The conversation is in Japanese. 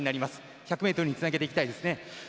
１００ｍにつなげていきたいですね。